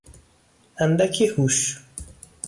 اندکی هوش